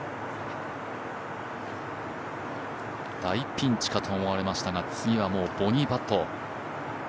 大ピンチかと思われましたが次はもうボギーパット。